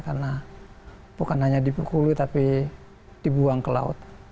karena bukan hanya di pukul tapi dibuang ke laut